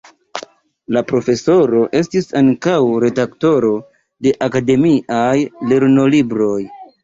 La profesoro estis ankaŭ redaktoro de akademiaj lernolibroj.